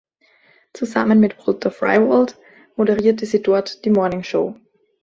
Zusammen mit Walter Freiwald moderierte sie dort die "Morning Show".